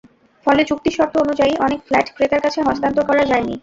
ফলে চুক্তির শর্ত অনুযায়ী, অনেক ফ্ল্যাট ক্রেতার কাছে হস্তান্তর করা যায়নি।